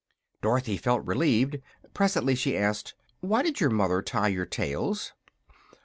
Dorothy felt relieved. Presently she asked: "Why did your mother tie your tails?"